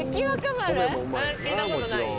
聞いたことない？